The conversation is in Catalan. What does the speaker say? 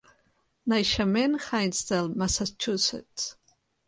Naixement: Hinsdale, Massachussetts.